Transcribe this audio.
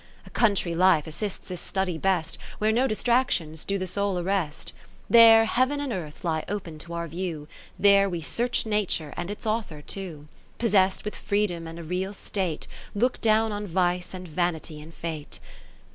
40 A country life assists this study best, Where no distractions do the soul arrest :( 565 ) There Heav'n and Earth lie open to our view, There we search Nature and its Author too ; Possess'd with freedom and a real state Look down on Vice, and Vanity, and Fate.